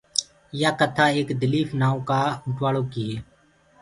يآ ڪٿآ ايڪ دليٚڦ نآئو ڪآ اوٽواݪو ڪيٚ هي